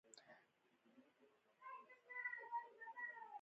قره باغ انګور ډیر دي؟